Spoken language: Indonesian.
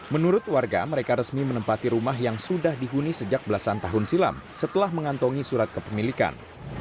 menurut warga mereka resmi menempati rumah yang sudah dihuni sejak belasan tahun silam setelah mengantongi surat kepemilikan